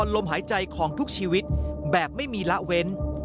ลมหายใจของทุกชีวิตแบบไม่มีละเว้น